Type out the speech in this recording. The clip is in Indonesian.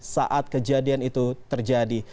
saat kejadian itu terjadi